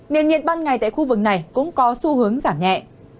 nền nhiệt ban ngày tại khu vực này cũng có xu hướng giảm nhẹ